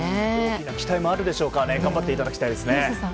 期待もあるでしょうから頑張っていただきたいですね。